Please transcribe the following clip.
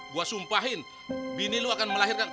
gue sumpahin bini lo akan melahirkan